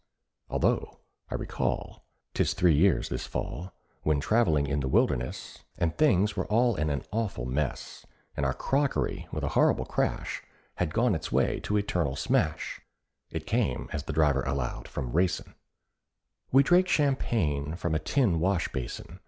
(Although I recall— 'Tis three years this Fall— When travelling in the wilderness, And things were all in an awful mess, And our crockery, with a horrible crash, Had gone its way to eternal smash) (It came, as the driver allowed, from racin'), We drank champagne from a tin wash basin.